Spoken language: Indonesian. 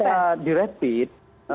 ketika di rapid